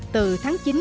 từ tháng chín